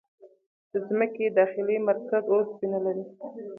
د ځمکې داخلي مرکز اوسپنه لري.